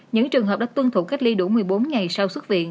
những trường hợp đã tuân thủ cách ly đủ một mươi bốn ngày sau xuất viện